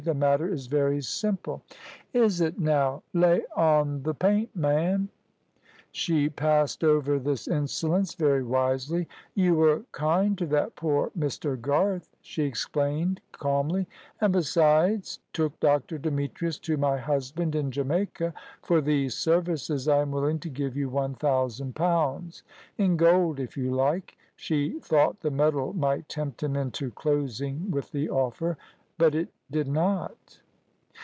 "The matter is very simple." "Is it now? Lay on th' paint, ma'am." She passed over this insolence very wisely. "You were kind to that poor Mr. Garth," she explained, calmly. "And, besides, took Dr. Demetrius to my husband in Jamaica. For these services I am willing to give you one thousand pounds in gold, if you like"; she thought the metal might tempt him into closing with the offer, but it did not.